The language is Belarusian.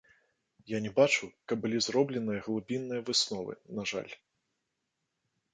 Я не бачу, каб былі зробленыя глыбінныя высновы, на жаль.